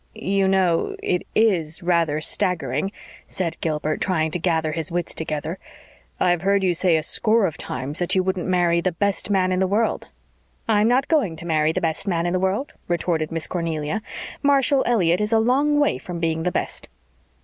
"You know it IS rather staggering," said Gilbert, trying to gather his wits together. "I've heard you say a score of times that you wouldn't marry the best man in the world." "I'm not going to marry the best man in the world," retorted Miss Cornelia. "Marshall Elliott is a long way from being the best."